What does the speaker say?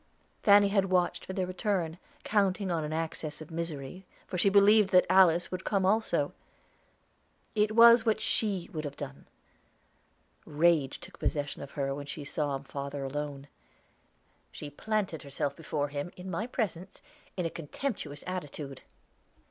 Fanny had watched for their return, counting on an access of misery, for she believed that Alice would come also. It was what she would have done. Rage took possession of her when she saw father alone. She planted herself before him, in my presence, in a contemptuous attitude.